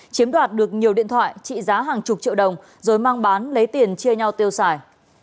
chiếm đoạt được nhiều điện thoại trị giá hàng chục triệu đồng rồi mang bán lấy tiền chia nhau tiêu xài